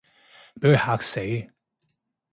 畀佢嚇死